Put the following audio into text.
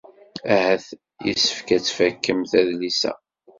Ahat yessefk ad tfakemt adlis-a.